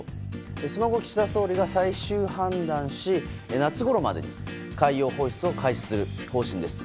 その後、岸田総理が最終判断し夏ごろまでに海洋放出を開始する方針です。